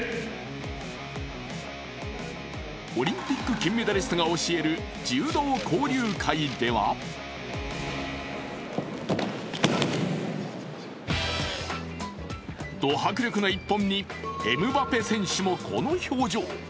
オリンピック金メダリストが教える柔道交流会ではド迫力の一本に、エムバペ選手もこの表情。